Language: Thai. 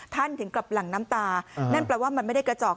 ถึงกลับหลั่งน้ำตานั่นแปลว่ามันไม่ได้กระจอก